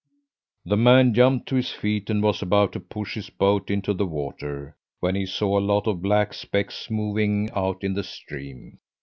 "The man jumped to his feet and was about to push his boat into the water, when he saw a lot of black specks moving out in the stream.